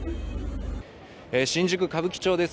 新宿歌舞伎町です。